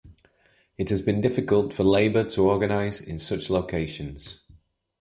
It has been difficult for labor to organize in such locations.